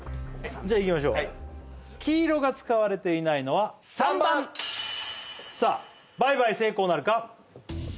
じゃあいきましょう黄色が使われていないのは３番！さあ倍買成功なるか？